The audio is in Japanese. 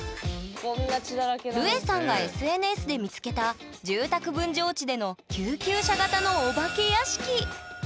ルエさんがＳＮＳで見つけた住宅分譲地での救急車型のお化け屋敷。